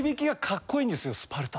スパルタ！